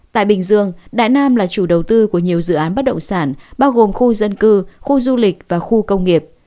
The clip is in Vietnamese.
tại bình dương đại nam là chủ đầu tư của nhiều dự án bất động sản bao gồm khu dân cư khu du lịch và khu công nghiệp